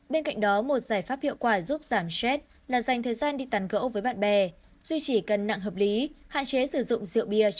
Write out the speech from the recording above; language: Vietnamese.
bên cạnh đó một giải pháp hiệu quả giúp giảm stress là dành thời gian đi tàn gỗ với bạn bè duy trì cân nặng hợp lý hạn chế sử dụng rượu bia